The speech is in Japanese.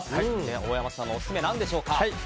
大山さんのオススメは何でしょうか？